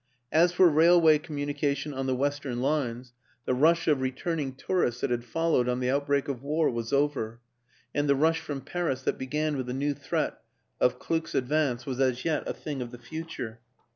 As for railway communication on the western lines, the rush of returning tourists that had followed on the out break of war was over, and the rush from Paris that began with the new threat of Kluck's advance was as yet a thing of the future.